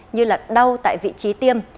như là đau tại vị trí tiêm